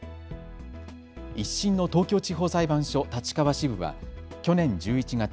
１審の東京地方裁判所立川支部は去年１１月、